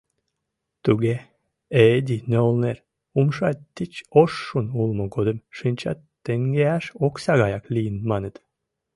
Туге, Ээди-нолнер, умша тич ошшун улмо годым шинчат теҥгеаш окса гаяк лийын маныт.